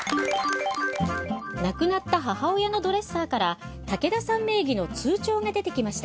亡くなった母親のドレッサーから竹田さん名義の通帳が出てきました。